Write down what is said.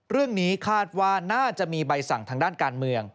เรื่องนี้คาดว่าน่าจะมีใบสั่งทางด้านการเมือง